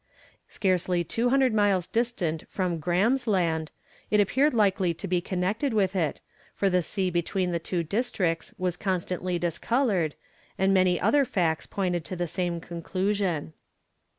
Scarcely 200 miles distant from Graham's Land, it appeared likely to be connected with it, for the sea between the two districts was constantly discoloured, and many other facts pointed to the same conclusion.